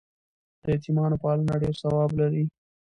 د یتیمانو پالنه ډېر ثواب لري.